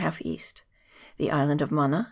; the island of Mana, N.